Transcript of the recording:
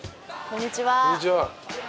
こんにちは。